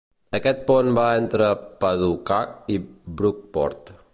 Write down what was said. Aquest pont va entre Paducah i Brookport.